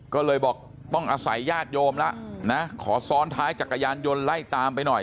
ก็เลยบอกต้องอาศัยญาติโยมแล้วนะขอซ้อนท้ายจักรยานยนต์ไล่ตามไปหน่อย